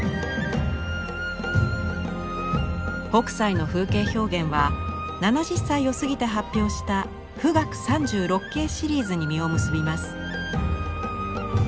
北斎の風景表現は７０歳を過ぎて発表した「冨嶽三十六景」シリーズに実を結びます。